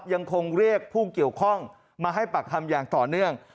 ยังคงเรียกผู้เกี่ยวข้องมาให้ปากคำอย่างต่อเนื่อง